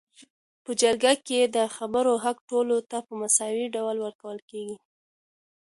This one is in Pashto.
په جرګه کي د خبرو حق ټولو ته په مساوي ډول ورکول کيږي